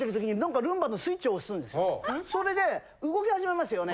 ・かわいい・それで動き始めますよね。